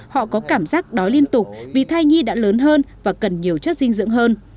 họ có cảm giác đói liên tục vì thai nhi đã lớn hơn và cần nhiều chất dinh dưỡng hơn